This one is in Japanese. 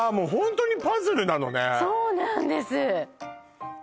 そうなんです！